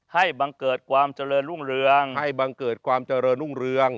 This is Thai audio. ให้บังเกิดปลอมเจริญร่วงเรือง